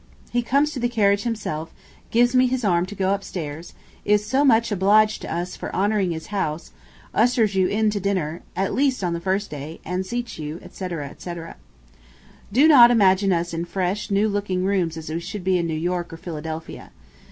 He comes to the carriage himself, gives me his arm to go upstairs, is so much obliged to us for honoring his house, ushers you in to dinner, at least on the first day, and seats you, etc., etc. Do not imagine us in fresh, new looking rooms as we should be in New York or Philadelphia.